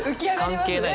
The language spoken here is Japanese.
関係ない。